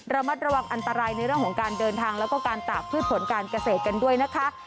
ระมัดระวังอันตรายในเรื่องของการเดินทางแล้วก็การตากพืชผลการเกษตรกันด้วยนะคะ